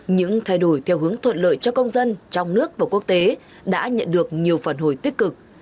những thay đổi theo hướng thuận lợi cho công dân trong nước và quốc tế đã nhận được nhiều phần hồi tích cực